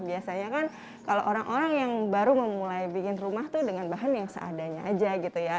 biasanya kan kalau orang orang yang baru memulai bikin rumah tuh dengan bahan yang seadanya aja gitu ya